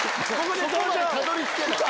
そこまでたどり着けない。